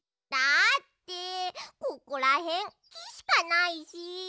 だってここらへんきしかないし。